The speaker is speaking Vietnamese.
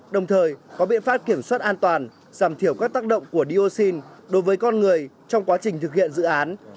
đồng thời có biện pháp kiểm soát an toàn giảm thiểu các tác động của dioxin đối với con người trong quá trình thực hiện dự án